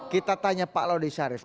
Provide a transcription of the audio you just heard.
kita tanya pak laudi syarif